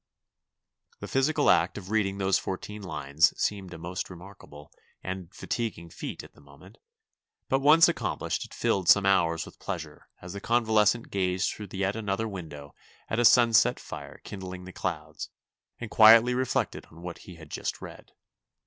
The physical act of reading those fourteen lines seemed a most remarkable and fatiguing feat at the moment, but once accomplished it filled some hours with pleasure as the convalescent gazed through yet another window at a sunset fire kindling the clouds, and quietly re flected on what he had just read.